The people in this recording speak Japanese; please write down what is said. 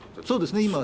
そうですね。